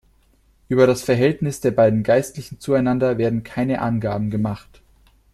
Über das Verhältnis der beiden Geistlichen zueinander werden keine Angaben gemacht.